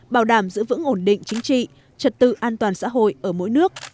bảo đảm giữ vững ổn định chính trị trật tự an toàn xã hội ở mỗi nước